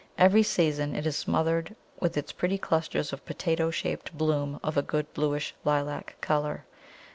Every season it is smothered with its pretty clusters of potato shaped bloom of a good bluish lilac colour.